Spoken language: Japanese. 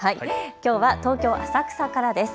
きょうは東京浅草からです。